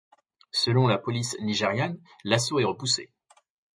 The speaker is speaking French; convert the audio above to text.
Selon la police nigériane, l'assaut est repoussé.